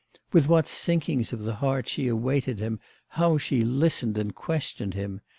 With what sinkings of the heart she awaited him, how she listened and questioned him!